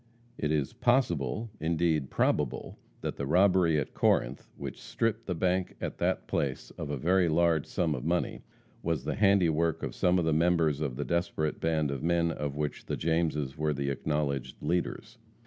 It is possible, indeed probable, that the robbery at Corinth, which stripped the bank at that place of a very large sum of money, was the handiwork of some of the members of the desperate band of men, of which the Jameses were the acknowledged leaders.